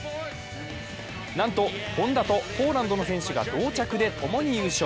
なんと本多とポーランドの選手が同着で共に優勝。